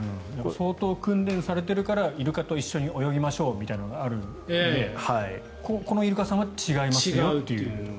相当訓練されているからイルカと一緒に泳ぎましょうみたいなのがあるのでこのイルカさんは違いますよという。